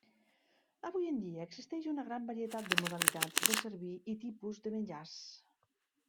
Avui en dia existeix una gran varietat de modalitats de servir i tipus de menjars.